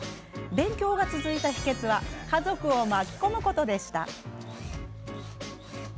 勉強が続いた秘けつは家族を巻き込むことでした。